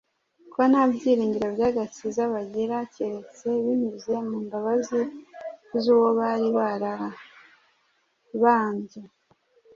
ko nta byiringiro by’agakiza bagira keretse binyuze mu mbabazi z’Uwo bari barabambye.